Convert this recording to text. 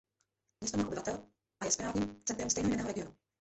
Město má obyvatel a je správním centrem stejnojmenného regionu.